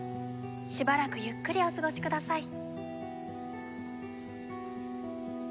しばらくゆっくりお過ごしください。